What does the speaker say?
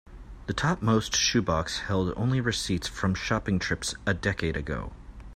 The topmost shoe box held only receipts from shopping trips a decade ago.